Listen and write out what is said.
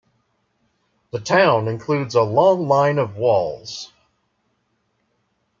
The town includes a long line of walls.